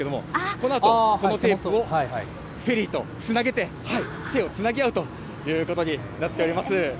このあとこのテープをフェリーとつなげて、手をつなぎ合うということになっております。